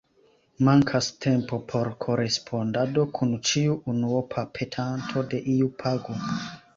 Mankas tempo por korespondado kun ĉiu unuopa petanto de iu pago.